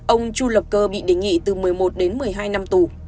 ông chu lập cơ bị đề nghị từ một mươi một đến một mươi hai năm tù